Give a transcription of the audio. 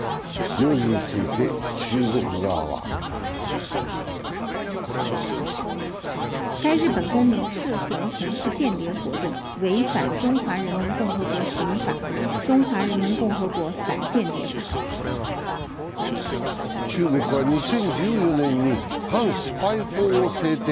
容疑について中国側は中国は２０１４年に反スパイ法を制定。